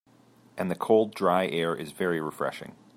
And the cold, dry air is very refreshing.